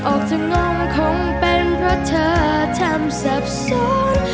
ออกจะงงคงเป็นเพราะเธอทำสับสน